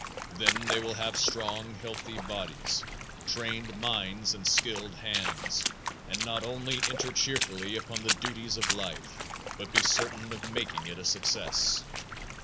Then they will have strong, healthy bodies, trained minds and skilled hands, and not only enter cheerfully upon the duties of life, but be certain of making it a success.